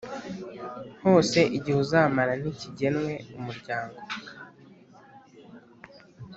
hose Igihe uzamara ntikigenwe Umuryango